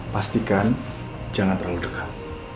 pastikan jangan terlalu dekat